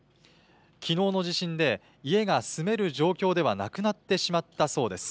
きのうの地震で家が住める状況ではなくなってしまったそうです。